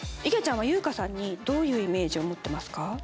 いげちゃんは優香さんにどういうイメージを持ってますか？